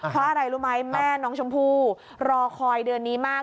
เพราะอะไรรู้ไหมแม่น้องชมพู่รอคอยเดือนนี้มาก